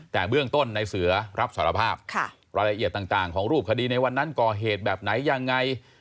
แต่เบื้องต้นในเสือรับสารภาพรายละเอียดต่างของรูปคดีในวันนั้นก่อเหตุแบบไหนยังไง